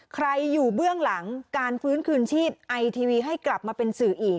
ใครอยู่เบื้องหลังการฟื้นคืนชีพไอทีวีให้กลับมาเป็นสื่ออีก